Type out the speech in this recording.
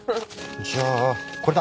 じゃあこれだ！